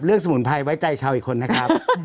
เลือกสมุนไพรไว้ใจเฉาอีกคนนะครับ